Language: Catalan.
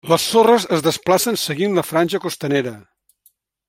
Les sorres es desplacen seguint la franja costanera.